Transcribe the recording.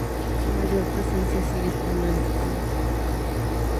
Su mayor presencia sigue estando en España.